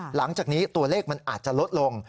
หลังจากนี้ตัวเลขมันอาจจะลดลง